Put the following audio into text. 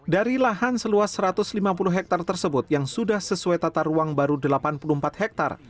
dari lahan seluas satu ratus lima puluh hektare tersebut yang sudah sesuai tata ruang baru delapan puluh empat hektare